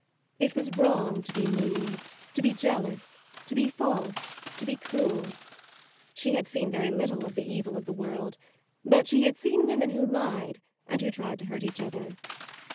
It was wrong to be mean, to be jealous, to be false, to be cruel; she had seen very little of the evil of the world, but she had seen women who lied and who tried to hurt each other.